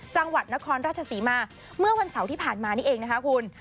จังหวัดนครราชศรีมาเมื่อวันเสาร์ที่ผ่านมานี่เองนะคะคุณ